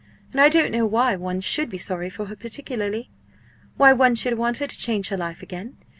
"And I don't know why one should be sorry for her particularly why one should want her to change her life again.